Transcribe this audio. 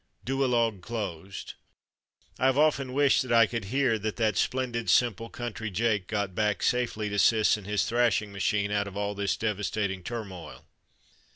Duologue closed. I have often wished that I could hear that that splendid simple country jake got back safely to Ciss and his thrashing machine out of all this devastating turmoil.